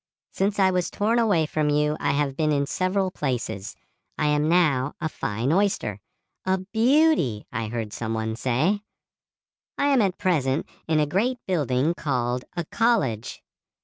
Since I was torn away from you I have been in several places. I am now a fine oyster—a "beauty," I heard some one say. I am at present in a great building called a college.